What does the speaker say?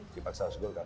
dipaksa ada golkar